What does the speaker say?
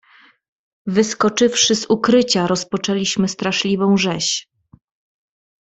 "„Wyskoczywszy z ukrycia, rozpoczęliśmy straszliwą rzeź."